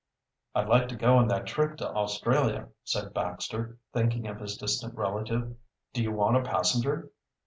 "I'd like to go on that trip to Australia," said Baxter, thinking of his distant relative. "Do you want a passenger?"